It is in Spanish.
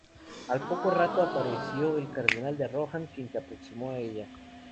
Al poco rato apareció el cardenal de Rohan, quien se aproximó a ella.